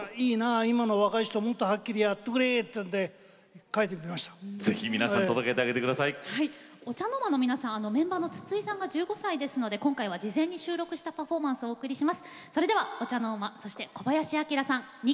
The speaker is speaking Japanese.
今の若い人もっとはっきりやってくれとＯＣＨＡＮＯＲＭＡのメンバーの筒井さんがが１５歳なので今回は事前に収録したパフォーマンスをお送りします。